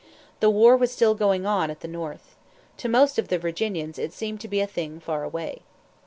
The war was still going on at the north. To most of the Virginians it seemed to be a thing far away.